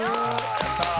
やったー！